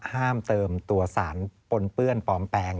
ห้ามเติมตัวสารปนเปื้อนปลอมแปลง